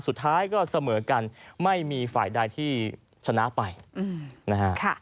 สุดท้ายก็เสมอกันไม่มีฝ่ายใดที่ชนะไปนะฮะ